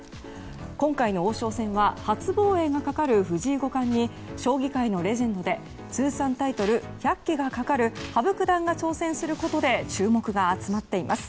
今回の王将戦は初防衛がかかる藤井五冠に将棋界のレジェンドで通算タイトル１００期がかかる羽生九段が挑戦することで注目が集まっています。